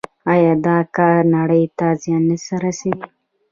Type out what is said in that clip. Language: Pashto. آیا دا کار نړۍ ته زیان نه رسوي؟